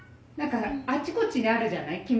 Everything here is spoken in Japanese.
だからあっちこっちにあるじゃない？